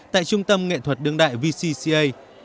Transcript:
tại trung tâm nghệ thuật đương đại vcca